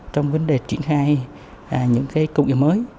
trong vấn đề triển khai những công nghệ mới